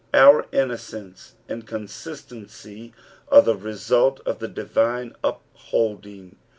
Our innocence and con sistency are the result of the divine upholding.